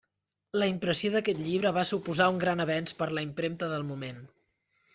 La impressió d'aquest llibre va suposar un gran avenç per a la impremta del moment.